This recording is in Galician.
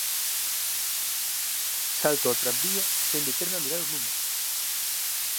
Salto ao tranvía sen determe a mirar o número.